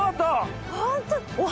ホント。